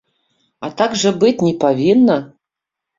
А так жа быць не павінна!